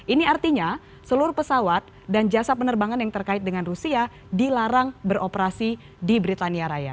ini artinya seluruh pesawat dan jasa penerbangan yang terkait dengan rusia dilarang beroperasi di britania raya